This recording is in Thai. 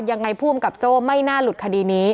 ยังไงผู้กำกับโจ้ไม่น่าหลุดคดีนี้